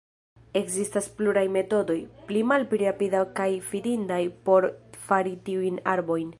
Ekzistas pluraj metodoj, pli malpli rapidaj kaj fidindaj, por fari tiujn arbojn.